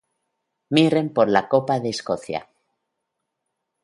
Mirren por la Copa de Escocia.